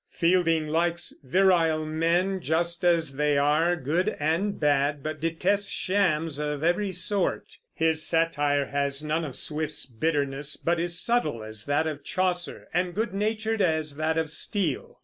Fielding likes virile men, just as they are, good and bad, but detests shams of every sort. His satire has none of Swift's bitterness, but is subtle as that of Chaucer, and good natured as that of Steele.